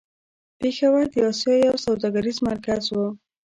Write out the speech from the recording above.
پېښور د آسيا يو سوداګريز مرکز و.